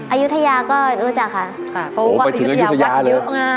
อายุทยาก็รู้จักค่ะโอ้ไปถึงอายุทยาแล้ว